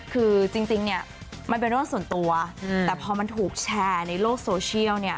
คือจริงเนี่ยมันเป็นเรื่องส่วนตัวแต่พอมันถูกแชร์ในโลกโซเชียลเนี่ย